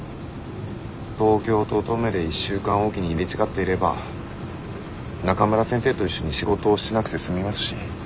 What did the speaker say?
東京と登米で１週間置きに入れ違っていれば中村先生と一緒に仕事をしなくて済みますし。